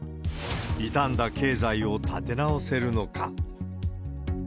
傷んだ経済を立て直せるのか。